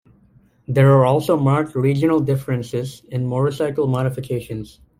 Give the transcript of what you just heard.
There are also marked regional differences in motorcycle modifications.